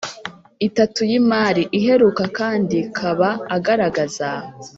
itatu y imari iheruka kandi kaba agaragaza